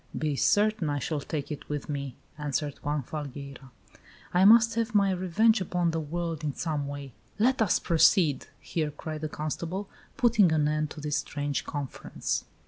"Be certain, I shall take it with me!" answered Juan Falgueira. "I must have my revenge upon the world in some way." "Let us proceed!" here cried the constable, putting an end to this strange conference.